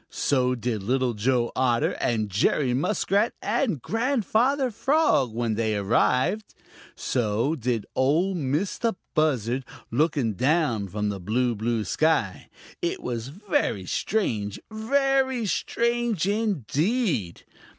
So did Little Joe Otter and Jerry Muskrat and Grandfather Frog, when they arrived. So did Ol' Mistah Buzzard, looking down from the blue, blue sky. It was very strange, very strange indeed!